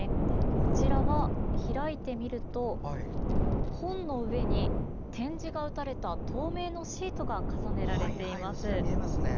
こちらは開いてみると本の上に点字が打たれた透明のシートが重ねられています。